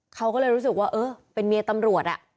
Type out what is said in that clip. เขาก็เลยรู้สึกว่าเออเป็นเมียตำรวจ